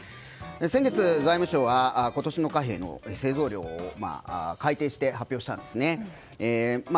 先月、財務省は今年の貨幣の製造量を改定して発表したんですね。